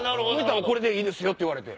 これでいいですよ！と言われて。